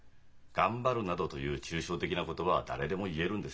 「頑張る」などという抽象的な言葉は誰でも言えるんですよ。